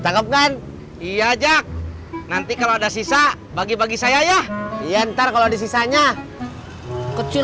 tanggap kan iya jack nanti kalau ada sisa bagi bagi saya ya iya ntar kalau disisanya kecil